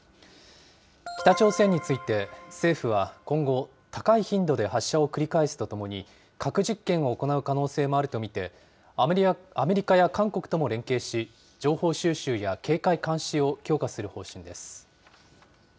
北朝鮮について、政府は今後、高い頻度で発射を繰り返すとともに、核実験を行う可能性もあると見て、アメリカや韓国とも連携し、情報収集や警戒監視を強化する方針です。